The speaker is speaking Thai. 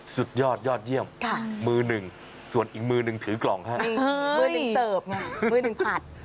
สุดยอดยอดเยี่ยมมือหนึ่งส่วนอีกมือหนึ่งถือกล่องให้มือหนึ่งเสิร์ฟไงมือหนึ่งผัด